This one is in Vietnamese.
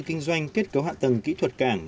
kinh doanh kết cấu hạ tầng kỹ thuật cảng